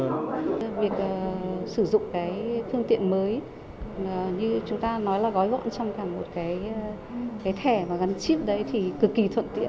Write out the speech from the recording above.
cái việc sử dụng cái phương tiện mới như chúng ta nói là gói gọn trong cả một cái thẻ và gắn chip đấy thì cực kỳ thuận tiện